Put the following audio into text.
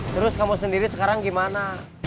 terus kamu sendiri sekarang gimana